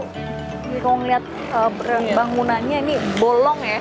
kalau melihat bangunannya ini bolong ya